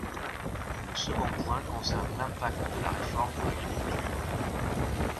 Le second point concerne l’impact de la réforme pour l’agriculture.